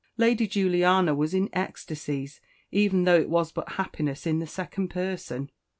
Lady Juliana was in ecstasies, even though it was but happiness in the second person.